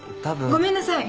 ごめんなさい。